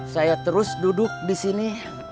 saya terus duduk disini